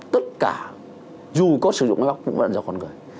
tất cả dù có sử dụng máy móc cũng phải là do con người